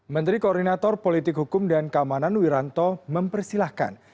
menteri koordinator politik hukum dan keamanan wiranto mempersilahkan